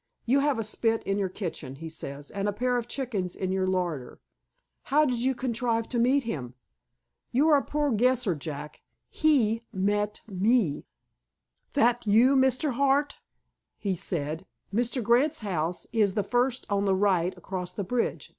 You have a spit in your kitchen, he says, and a pair of chickens in your larder." "How did you contrive to meet him?" "You're a poor guesser, Jack. He met me. 'That you, Mr. Hart?' he said. 'Mr. Grant's house is the first on the right across the bridge.